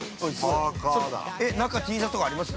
◆中、Ｔシャツとかあります？